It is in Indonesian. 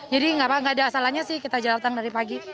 jadi nggak ada asalannya sih kita jauh datang dari pagi